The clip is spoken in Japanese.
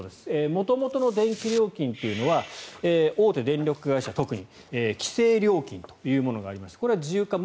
元々の電気料金というのは大手電力会社、特に規制料金というものがあります。